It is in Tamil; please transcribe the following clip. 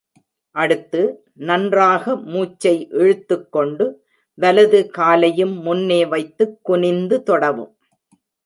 அடுத்து, நன்றாக மூச்சை இழுத்துக் கொண்டு, வலது காலையும் முன்னே வைத்துக் குனிந்து தொடவும்.